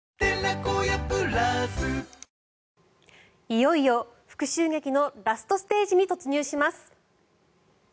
いよいよ、復しゅう劇のラストステージに突入します。